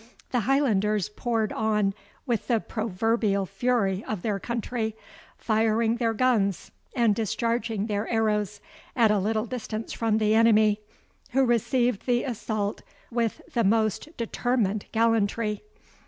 The Highlanders poured on with the proverbial fury of their country, firing their guns, and discharging their arrows, at a little distance from the enemy, who received the assault with the most determined gallantry.